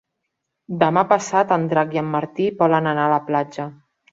Demà passat en Drac i en Martí volen anar a la platja.